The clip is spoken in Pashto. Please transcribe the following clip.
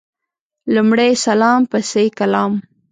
لمړی سلام پسي کلام